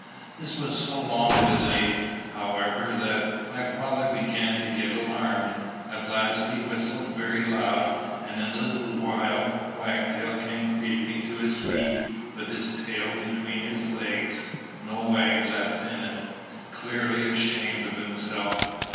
This was so long delayed, however, that my father began to get alarmed. At last he whistled very loud; and in a little while Wagtail came creeping to his feet, with his tail between his legs, no wag left in it, clearly ashamed of himself.